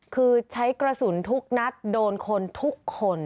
คือใช้กระสุนทุกนัดโดนคนทุกคน